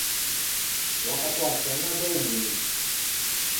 Ò accattou a fæña da-o moin.